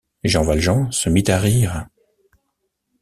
Jean Valjean se mit à rire.